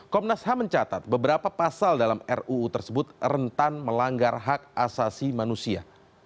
komnas ham mencatat beberapa pasal dalam ruu tersebut rentan melanggar hak asasi manusia